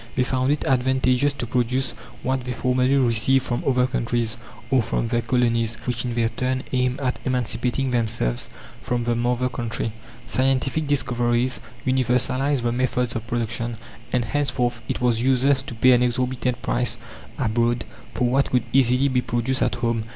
They found it advantageous to produce what they formerly received from other countries, or from their colonies, which in their turn aimed at emancipating themselves from the mother country. Scientific discoveries universalized the methods of production, and henceforth it was useless to pay an exorbitant price abroad for what could easily be produced at home.